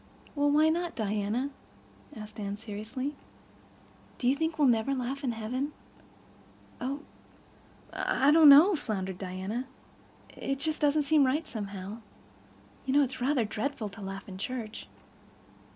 "Well, why not, Diana?" asked Anne seriously. "Do you think we'll never laugh in heaven?" "Oh—I—I don't know" floundered Diana. "It doesn't seem just right, somehow. You know it's rather dreadful to laugh in church."